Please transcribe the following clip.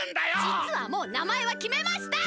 じつはもう名前はきめました！